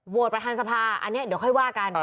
ประธานสภาอันนี้เดี๋ยวค่อยว่ากัน